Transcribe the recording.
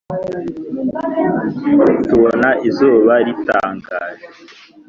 Tubona izuba ritangaje